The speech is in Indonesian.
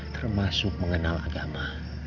termasuk mengenal agama